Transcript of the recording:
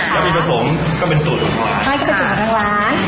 ถ้าผิดผสมเป็นส่วนของร้าน